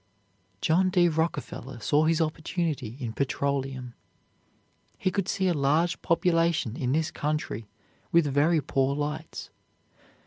John D. Rockefeller saw his opportunity in petroleum. He could see a large population in this country with very poor lights.